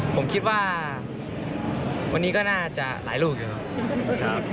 ผมคิดว่าวันนี้ก็น่าจะหลายลูกอยู่ครับ